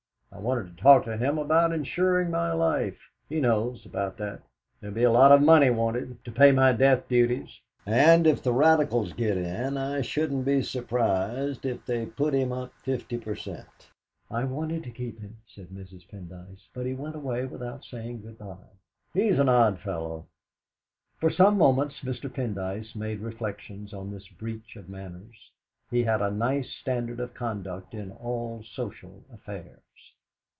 I wanted to talk to him about insuring my life; he knows, about that. There'll be a lot of money wanted, to pay my death duties. And if the Radicals get in I shouldn't be surprised if they put them up fifty per cent." "I wanted to keep him," said Mrs. Pendyce, "but he went away without saying good bye." "He's an odd fellow!" For some moments Mr. Pendyce made reflections on this breach of manners. He had a nice standard of conduct in all social affairs.